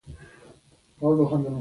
آزادي د ښکاري او ښکار تر منځ.